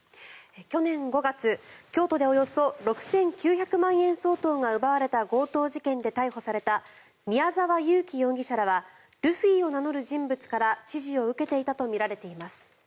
去年５月、京都でおよそ６９００万円相当が奪われた強盗事件で逮捕された宮沢優樹容疑者らはルフィを名乗る人物から指示を受けていたとみられています。